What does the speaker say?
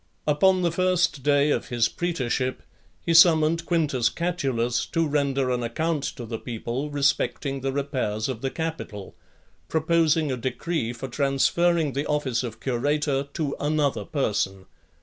XV. Upon the first day of his praetorship, he summoned Quintus Catulus to render an account to the people respecting the repairs of the Capitol ; proposing a decree for transferring the office of curator to another person .